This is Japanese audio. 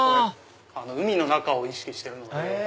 海の中を意識してるので。